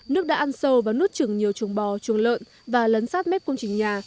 nước đã ăn sâu và nút trừng nhiều trồng bò trồng lợn và lấn sát mép công trình nhà